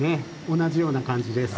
同じような感じです。